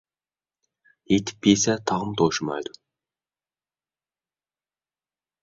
يېتىپ يېسە تاغمۇ توشىمايدۇ.